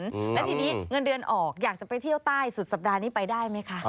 แล้วทีนี้เงินเดือนออกอยากจะไปเที่ยวใต้สุดสัปดาห์นี้ไปได้ไหมคะ